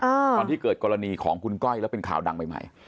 ตอนที่เกิดกรณีของคุณก้อยแล้วเป็นข่าวดังใหม่ใหม่